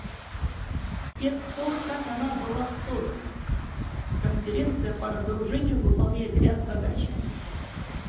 С тех пор как она была создана, Конференция по разоружению выполняет ряд задач.